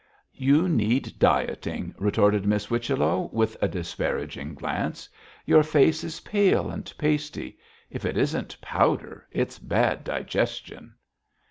'You need dieting,' retorted Miss Whichello, with a disparaging glance. 'Your face is pale and pasty; if it isn't powder, it's bad digestion.'